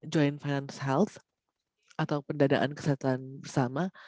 joint finance health atau pendadaan kesehatan bersama